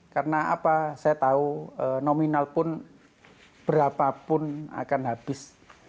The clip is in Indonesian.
karena apa saya tahu nominal pun berapapun akan habis